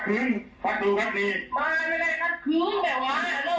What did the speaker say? เจรจาต่อรองเงินไป๕ล้านแลกกับการปล่อยตัว